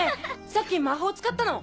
さっき魔法使ったの？